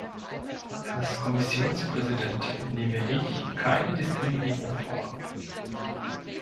Als Kommissionspräsident nehme ich keine Diskriminierung vor.